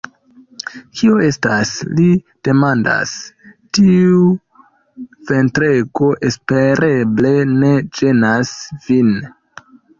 Kio estas?li demandas. Tiu ventrego espereble ne ĝenas vin?